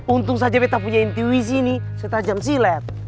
untung saja betta punya intuisi ini setajam silet